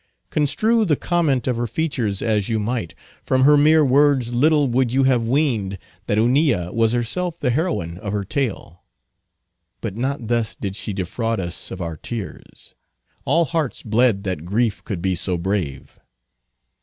Construe the comment of her features as you might, from her mere words little would you have weened that Hunilla was herself the heroine of her tale. But not thus did she defraud us of our tears. All hearts bled that grief could be so brave.